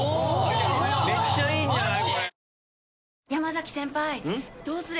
めっちゃいいんじゃない？